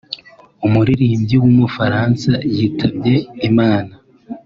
umuririmbyi w’umufaransa yitabye Imana